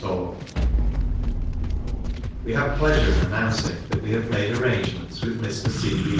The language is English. A [We have pleasure in announcing that we have made, arrangements with Mr. C. B.